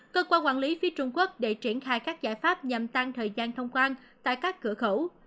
cơ quan quản lý phía trung quốc để triển khai các giải pháp nhằm tăng thời gian thông quan tại các cửa khẩu